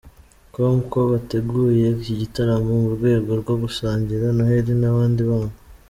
com ko bateguye iki gitaramo mu rwego rwo gusangira Noheli n’abandi bana.